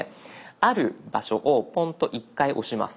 ある場所をポンと１回押します。